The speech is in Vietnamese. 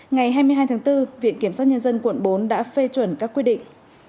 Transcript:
ngày hai mươi hai tháng bốn viện kiểm sát nhân dân quận bốn đã phê chuẩn các quyết định